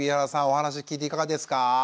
お話聞いていかがですか？